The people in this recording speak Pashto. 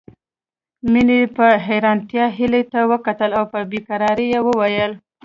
مينې په حيرانتيا هيلې ته وکتل او په بې قرارۍ يې وويل